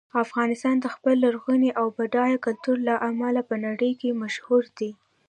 افغانستان د خپل لرغوني او بډایه کلتور له امله په نړۍ کې مشهور دی.